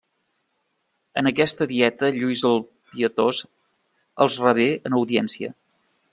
En aquesta Dieta Lluís el Pietós els rebé en audiència.